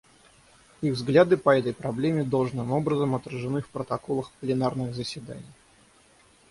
Их взгляды по этой проблеме должным образом отражены в протоколах пленарных заседаний.